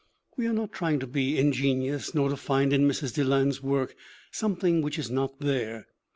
We are not trying to be ingenious nor to find in Mrs. Deland's work something which is not there.